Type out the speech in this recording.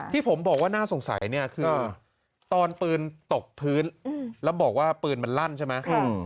ที่ผมบอกว่าน่าสงสัยเนี่ยคือตอนปืนตกพื้นแล้วบอกว่าปืนมันลั่นใช่ไหม